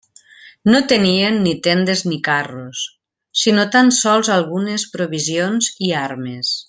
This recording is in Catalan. No tenien ni tendes ni carros, sinó tan sols algunes provisions i armes.